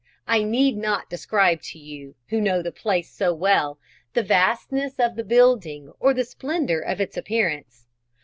I need not describe to you, who know the place so well, the vastness of the building or the splendour of its appearance.